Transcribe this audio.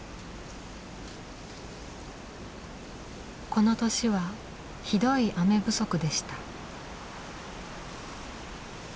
この年はひどい雨不足でした。